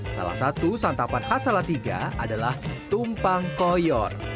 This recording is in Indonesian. salah satu santapan khas salatiga adalah tumpang koyor